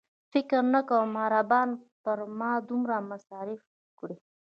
فکر نه کوم عربان پر ما دومره مصارف وکړي.